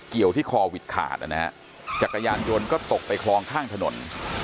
เกี่ยวที่คอวิดขาดนะฮะจักรยานยนต์ก็ตกไปคลองข้างถนน